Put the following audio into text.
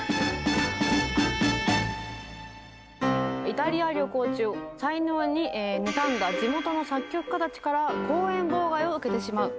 イタリア旅行中才能に妬んだ地元の作曲家たちから公演妨害を受けてしまう。